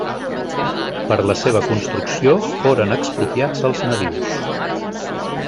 Per la seva construcció foren expropiats els nadius.